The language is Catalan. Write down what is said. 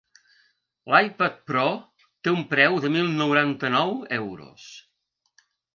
L'iPad Pro té un preu de mil noranta-nou euros.